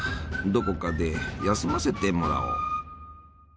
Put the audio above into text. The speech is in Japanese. どこかで休ませてもらおう。